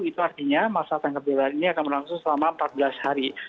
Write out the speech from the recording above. itu artinya masa tanggap darurat ini akan berlangsung selama empat belas hari